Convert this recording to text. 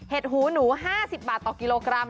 หูหนู๕๐บาทต่อกิโลกรัม